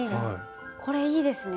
これいいですね。